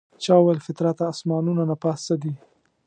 چا ویل فطرته اسمانونو نه پاس څه دي؟